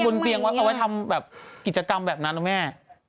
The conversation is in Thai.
บนเตียงเอาไว้ทำแบบกิจกรรมแบบนั้นนะแม่